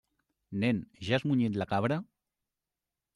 Nen, ja has munyit la cabra?